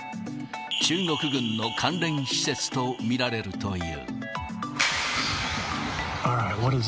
中国軍の関連施設と見られるという。